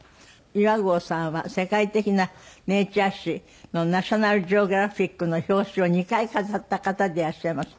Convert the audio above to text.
岩合さんは世界的なネイチャー誌の『ナショナルジオグラフィック』の表紙を２回飾った方でいらっしゃいます。